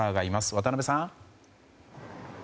渡辺さん。